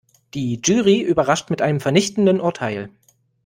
Die Jury überrascht mit einem vernichtenden Urteil.